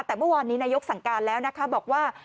แต่เมื่อวานนี้นายกสั่งการแล้วนะคะบอกว่า